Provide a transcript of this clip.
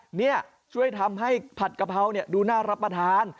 นี่ช่วยทำให้ผัดกะเพราดูน่ารับประทาน